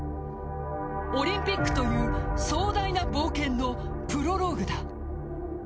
オリンピックという壮大な冒険のプロローグだ。